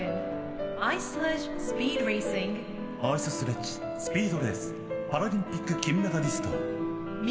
アイススレッジスピードレースパラリンピック金メダリスト。